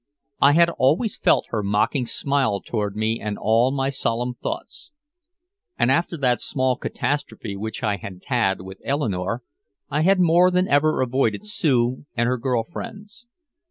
I had always felt her mocking smile toward me and all my solemn thoughts. And after that small catastrophe which I had had with Eleanore, I had more than ever avoided Sue and her girl friends.